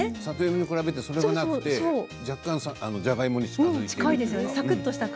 里芋に比べて粘りがなくて若干、じゃがいもに近いような。